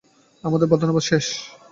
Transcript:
আমাদের বাদানুবাদ শেষ?